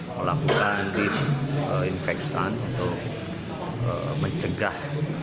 melakukan disinfektan untuk mencegah